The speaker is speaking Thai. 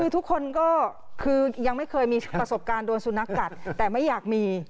ทุกคนก็คือยังไม่เคยมีประสบการณ์โดนสุนัขกัดแต่ไม่อยากมี